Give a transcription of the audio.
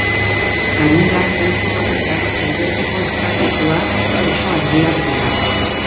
Gainera, zentzu horretan, alderdiko estatutuak oso argiak dira.